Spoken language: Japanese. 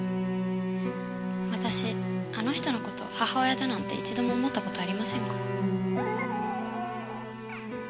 私あの人の事母親だなんて一度も思った事ありませんから。